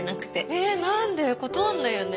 え何で断んないよね。